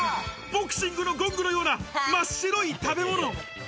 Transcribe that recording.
ボクシングのゴングのような、真っ白い食べ物。